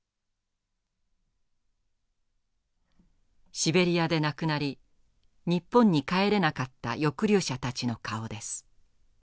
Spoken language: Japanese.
シベリアで亡くなり日本に帰れなかった抑留者たちの顔です。